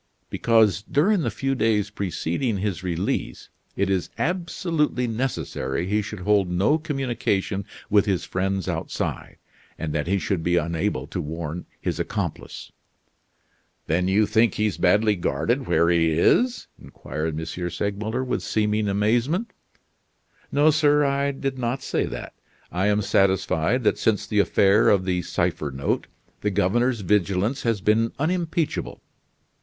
"Because, during the few days preceding his release, it is absolutely necessary he should hold no communication with his friends outside, and that he should be unable to warn his accomplice." "Then you think he's badly guarded where he is?" inquired M. Segmuller with seeming amazement. "No, sir, I did not say that. I am satisfied that since the affair of the cipher note the governor's vigilance has been unimpeachable.